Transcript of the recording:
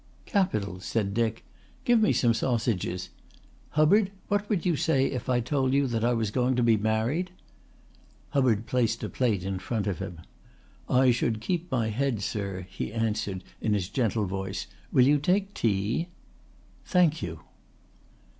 "Capital," said Dick. "Give me some sausages. Hubbard, what would you say if I told you that I was going to be married?" Hubbard placed a plate in front of him. "I should keep my head, sir," he answered in his gentle voice. "Will you take tea?" "Thank you."